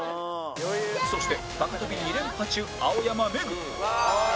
そして高跳び２連覇中青山めぐ